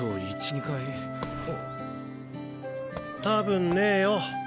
多分ねぇよ。